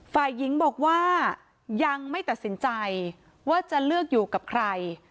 ฝ่ายหญิงบอกว่ายังไม่ตัดสินใจว่าจะเลือกอยู่กับใคร